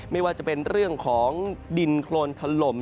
ไม่ว่าจะเป็นเรื่องของดินโครนถล่ม